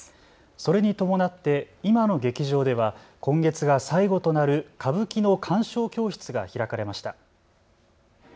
それに伴って今の劇場では今月が最後となる歌舞伎の鑑賞教室が開かれました。